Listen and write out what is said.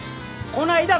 こないだ